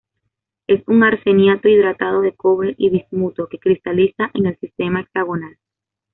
Es un arseniato hidratado de cobre y bismuto que cristaliza en el sistema hexagonal.